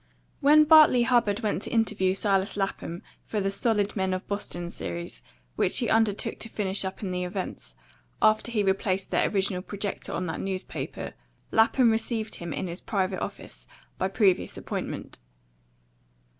WHEN Bartley Hubbard went to interview Silas Lapham for the "Solid Men of Boston" series, which he undertook to finish up in The Events, after he replaced their original projector on that newspaper, Lapham received him in his private office by previous appointment.